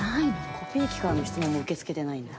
コピー機からの質問も受け付けてないんだ。